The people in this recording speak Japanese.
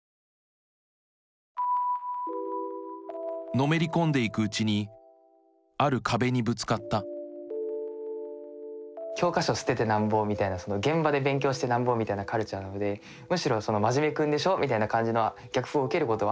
のめり込んでいくうちにある壁にぶつかった教科書捨ててなんぼみたいなその現場で勉強してなんぼみたいなカルチャーなのでむしろ「真面目君でしょ」みたいな感じの逆風を受けることはあった。